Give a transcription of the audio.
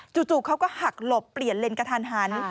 จู่เขาก็หักหลบเปลี่ยนเลนกระทันหัน